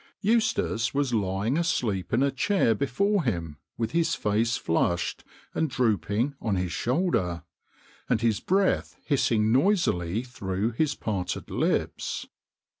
Eustace was lying asleep in a chair before him with his face flushed and drooping on his shoulder, and his breath hissing noisily through his parted lips.